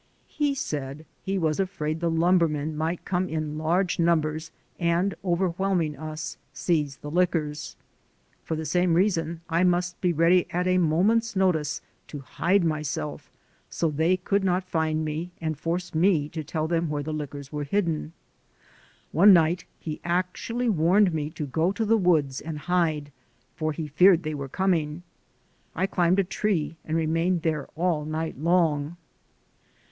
He said he was afraid the lumbermen might come in large numbers and, overwhelming us, seize the liquors. For the same reason I must be ready at a moment's notice to hide myself so they could not find me and force me to tell them where the liquors were hidden. One night he actually warned me to go to the woods and hide, for he feared they were coming. I climbed a tree and remained there all night long.